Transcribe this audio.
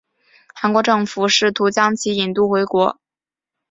韩国政府试图将其引渡回国。